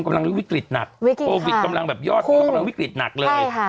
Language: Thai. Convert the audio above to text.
กำลังวิกฤทธิ์หนักโอวิทธิ์กำลังแบบยอดคุ้มกำลังวิกฤทธิ์หนักเลย